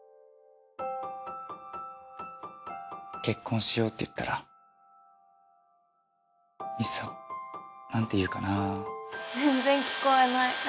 結婚しようって言ったら美紗緒なんて言うかな全然聞こえない。